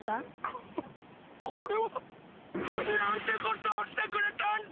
ここれは。なんてことをしてくれたんだ！